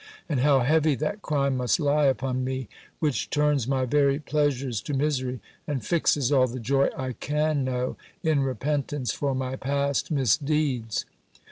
and how heavy that crime must lie upon me, which turns my very pleasures to misery, and fixes all the joy I can know, in repentance for my past misdeeds!